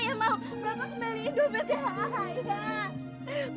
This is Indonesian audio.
ayah mau bapak kembalikan dobetnya ayah